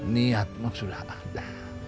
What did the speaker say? niat maksudnya ada